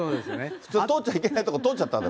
普通、通っちゃいけないとこ通っちゃったんだ。